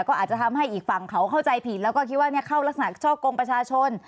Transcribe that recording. ก็อาจจะทำให้อีกฝั่งเขาเข้าใจผิดแล้วก็คิดว่าเข้ารักษณช่อกงประชาชน